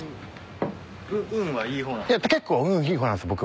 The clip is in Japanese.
結構運いい方なんです僕。